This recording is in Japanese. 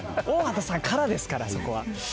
大畑さんからですからそこは。